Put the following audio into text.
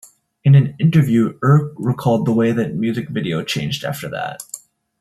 In an interview Ure recalled the way that music video changed after that.